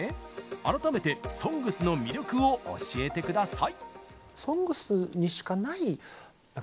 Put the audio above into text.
改めて「ＳＯＮＧＳ」の魅力を教えてください。